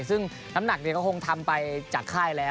ซึ่งน้ำหนักก็คงทำไปจากค่ายแล้ว